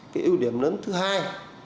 cái ưu điểm lớn thứ hai